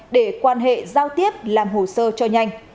để quan hệ giao tiếp làm hồ sơ cho nhanh